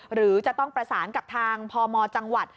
หรือจะต้องประสานกับทางพมจังหวัด